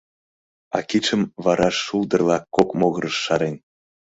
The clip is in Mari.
А кидшым вараш шулдырла кок могырыш шарен.